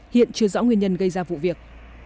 hiện chưa rõ nguyên nhân gây ra vụ việc